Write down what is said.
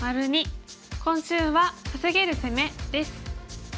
今週は「稼げる攻め」です。